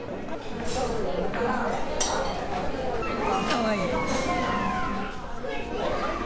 かわいい。